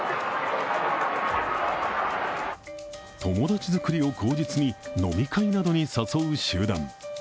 友達づくりを口実に、飲み会などに誘う集団。